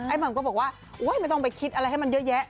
หม่ำก็บอกว่าโอ๊ยไม่ต้องไปคิดอะไรให้มันเยอะแยะ